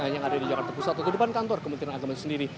yang ada di jakarta pusat atau di depan kantor kementerian agama sendiri